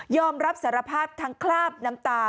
อมรับสารภาพทั้งคราบน้ำตา